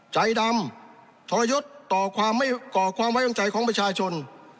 ใจดำทรยศต่อความไม่ก่อความไว้วางใจของประชาชน